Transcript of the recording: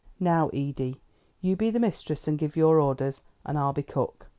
"Now, Edie, you be the mistress and give your orders, and I'll be cook.